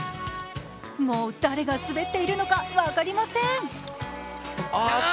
もう、誰が滑っているのか分かりません。